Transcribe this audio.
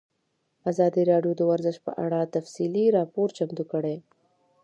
ازادي راډیو د ورزش په اړه تفصیلي راپور چمتو کړی.